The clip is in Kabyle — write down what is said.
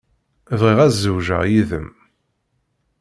Bɣiɣ ad zewǧeɣ yid-m.